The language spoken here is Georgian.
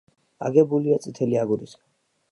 აგებულია წითელი აგურისაგან.